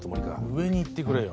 上に言ってくれよ